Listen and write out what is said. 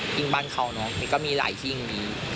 ยิ่งบ้านเขาเนอะมันก็มีหลายหิ้งมี